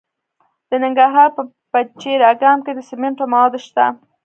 د ننګرهار په پچیر اګام کې د سمنټو مواد شته.